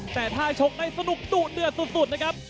แต่ถ้าชกได้สนุกดุเดือดสุดนะครับ